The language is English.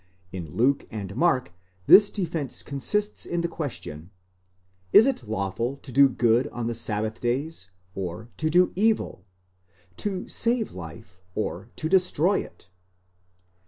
In Luke and Mark this defence consists in the question, Zs 22 lawful to do good on the sabbath days, or to do evil, to save life or to destroy it?